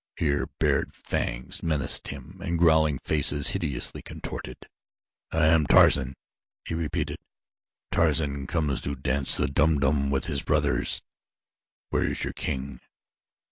Here bared fangs menaced him and growling faces hideously contorted. "I am Tarzan," he repeated. "Tarzan comes to dance the Dum Dum with his brothers. Where is your king?"